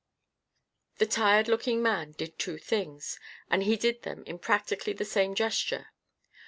The tired looking man did two things, and he did them in practically the same gesture.